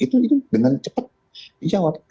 itu dengan cepat dijawab